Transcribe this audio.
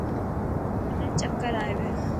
منا چڪر آئي پيا.